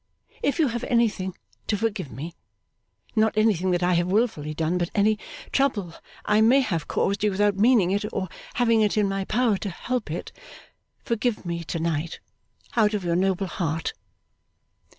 If you have anything to forgive me (not anything that I have wilfully done, but any trouble I may have caused you without meaning it, or having it in my power to help it), forgive me to night out of your noble heart!